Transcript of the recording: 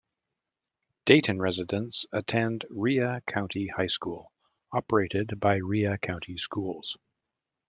Dayton residents attend Rhea County High School, operated by Rhea County Schools.